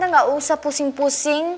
tante gak usah pusing pusing